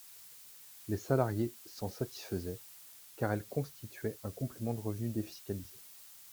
Les salariés s’en satisfaisaient, car elles constituaient un complément de revenu défiscalisé.